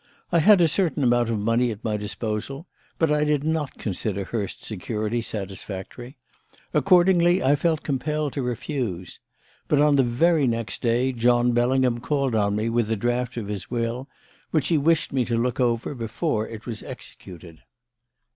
I had a certain amount of money at my disposal, but I did not consider Hurst's security satisfactory; accordingly I felt compelled to refuse. But on the very next day, John Bellingham called on me with the draft of his will which he wished me to look over before it was executed.